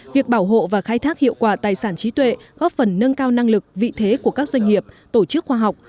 việc bảo hộ và khai thác hiệu quả tài sản trí tuệ góp phần nâng cao năng lực vị thế của các doanh nghiệp tổ chức khoa học